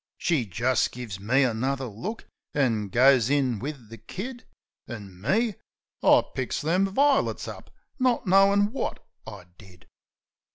She just gives me another look, an' goes in wiv the kid. An' me? I picks them vi'lits up, not knowin' wot I did.